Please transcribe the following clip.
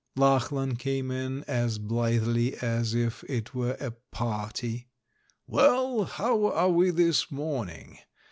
Lachlan came in, as blithely as if it were a party. "Well, how are we this morning?"